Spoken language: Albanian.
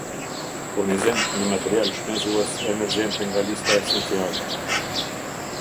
Furnizim me material shpezues emergjente nga lista esenciale